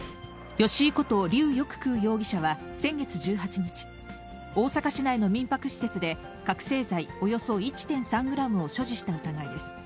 吉井こと、劉翼空容疑者は先月１８日、大阪市内の民泊施設で覚醒剤およそ１．３グラムを所持した疑いです。